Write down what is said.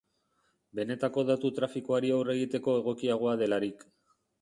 Benetako datu-trafikori aurre egiteko egokiagoa delarik.